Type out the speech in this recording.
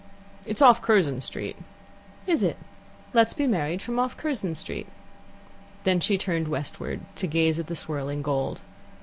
"It's off Curzon Street." "Is it? Let's be married from off Curzon Street." Then she turned westward, to gaze at the swirling gold.